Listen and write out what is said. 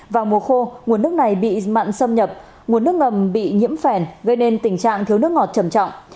vào mùa khô nguồn nước này bị mặn xâm nhập nguồn nước ngầm bị nhiễm phèn gây nên tình trạng thiếu nước ngọt trầm trọng